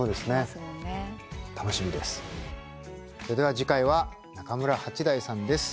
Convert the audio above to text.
それでは次回は中村八大さんです。